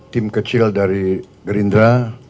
tim kecil dari gerindra